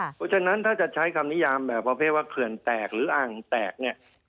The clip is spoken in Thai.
เพราะฉะนั้นถ้าจะใช้คำนิยามแบบประเภทว่าเขื่อนแตกหรืออ่างแตกเนี่ย